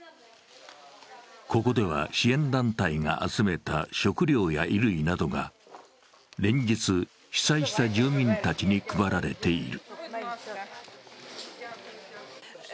ここでは支援団体が集めた食料や衣類などが連日、被災した住民たちに配られている。